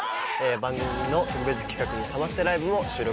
番組の特別企画にサマステライブも収録。